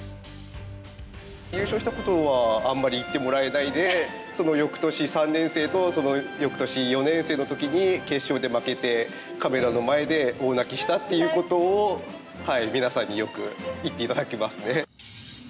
優勝したことはあんまり言ってもらえないでその翌年３年生とその翌年４年生の時に決勝で負けてカメラの前で大泣きしたっていうことをみなさんによく言って頂きますね。